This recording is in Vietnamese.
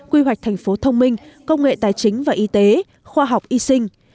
quy hoạch thành phố thông minh công nghệ tài chính và y tế khoa học y sinh